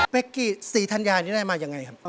เป๊กกี้สีทัญญาณนี้ได้มายังไงครับ